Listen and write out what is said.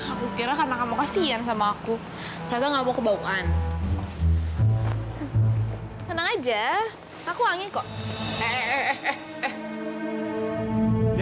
aku kira karena kamu kasihan sama aku padahal mau kebaukan senang aja aku angin kok eh eh eh